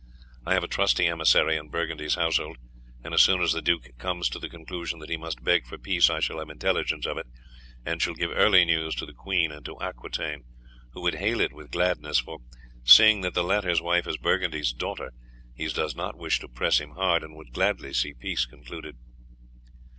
I have a trusty emissary in Burgundy's household, and as soon as the duke comes to the conclusion that he must beg for peace I shall have intelligence of it, and shall give early news to the queen and to Aquitaine, who would hail it with gladness; for, seeing that the latter's wife is Burgundy's daughter, he does not wish to press him hard, and would gladly see peace concluded."